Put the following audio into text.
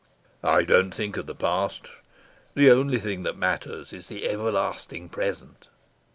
"I don't think of the past. The only thing that matters is the everlasting present."